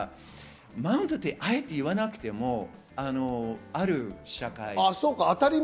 マウントとあえて言わなくても、ある社会。